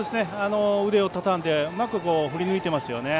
腕をたたんでうまく振り抜いていますね。